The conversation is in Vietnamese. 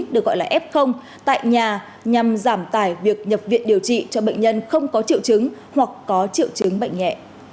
được gọi là ép không tại nhà nhằm giảm tài việc nhập viện điều trị cho bệnh nhân không có triệu chứng hoặc có triệu chứng bệnh nhẹ